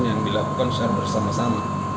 yang dilakukan secara bersama sama